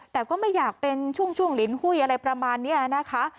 แต่ก็ไม่อยากเป็นช่วงลินหุ้ยอะไรประมาณนี้นะคะ